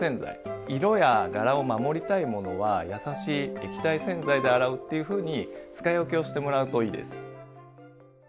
色や柄を守りたいものはやさしい液体洗剤で洗うっていうふうに使い分けをしてもらうといいです。